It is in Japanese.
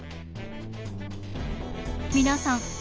皆さん